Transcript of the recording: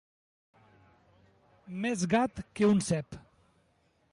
Més gat que un cep.